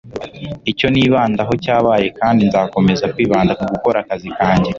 icyo nibandaho cyabaye kandi nzakomeza kwibanda ku gukora akazi kanjye